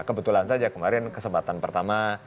kebetulan saja kemarin kesempatan pertama